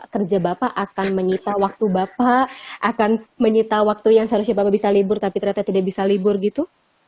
kerja bapak akan menyita waktu bapak akan menyita waktu yang seharusnya bapak bisa libur tapi ternyata tidak bisa libur gitu